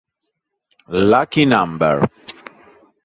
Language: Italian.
Lucky Number